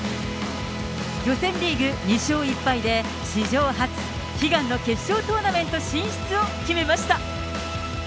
予選リーグ２勝１敗で、史上初、悲願の決勝トーナメント進出を決めました。